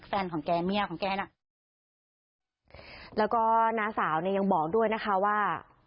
แล้วก็พี่หนาสาวนะยังบอกด้วยนะคะว่า